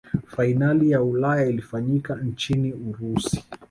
fainali ya ulaya ilifanyika nchini urusi